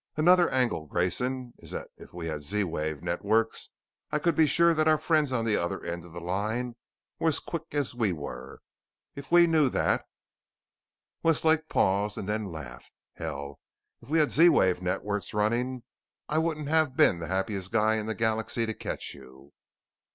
"Another angle, Grayson, is that if we had Z wave networks, I could be sure that our friends on the other end of the line were as quick as we were. If we knew that " Westlake paused and then laughed. "Hell, if we had Z wave networks running, I wouldn't have been the happiest guy in the galaxy to catch you."